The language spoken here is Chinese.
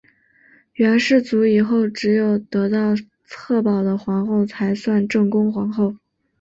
元世祖以后只有得到策宝的皇后才算正宫皇后。